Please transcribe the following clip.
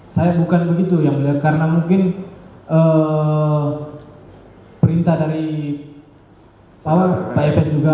saya bukan begitu karena mungkin perintah dari papes juga